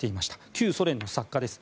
旧ソ連の作家です。